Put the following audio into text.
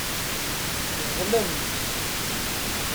Ẓẓlent.